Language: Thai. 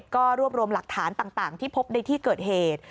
ก็รวบรวมหลักฐานต่างที่พบในที่เกิดเหตุ